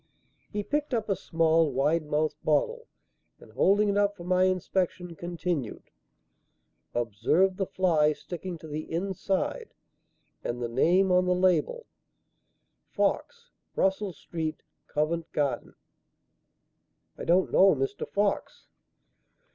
He picked up a small, wide mouthed bottle and, holding it up for my inspection, continued: "Observe the fly sticking to the inside, and the name on the label, 'Fox, Russell Street, Covent Garden.'" "I don't know Mr. Fox."